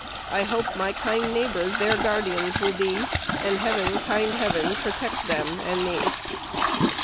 I hope my kind neighbors their guardeens will be, And Heaven, kind Heaven, protect them and me."